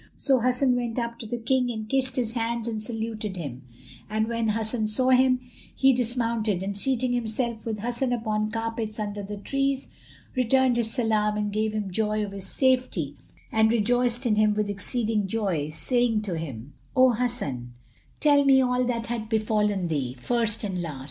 So Hasan went up to the King and kissed his hands and saluted him; and when Hassun saw him, he dismounted and seating himself with Hasan upon carpets under the trees returned his salam and gave him joy of his safety and rejoiced in him with exceeding joy, saying to him, "O Hasan, tell me all that hath befallen thee, first and last."